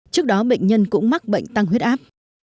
trước đó bệnh nhân cũng mắc bệnh tăng huyết áp